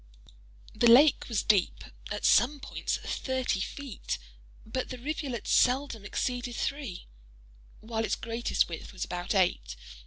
The lake was deep—at some points thirty feet—but the rivulet seldom exceeded three, while its greatest width was about eight.